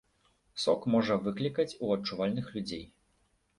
Сок можа выклікаць у адчувальных людзей.